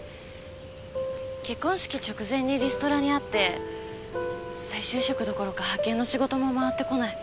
結婚式直前にリストラにあって再就職どころか派遣の仕事も回ってこない。